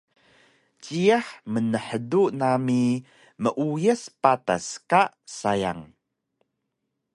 Jiyax mnhdu nami meuyas patas ka sayang